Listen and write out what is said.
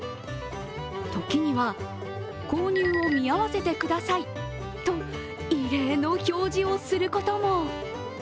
時には「購入を見合わせてください」と異例の表示をすることも。